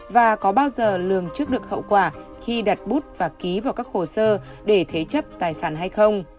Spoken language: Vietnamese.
và có bao giờ lường trước được hậu quả khi đặt bút và ký vào các hồ sơ để thế chấp tài sản hay không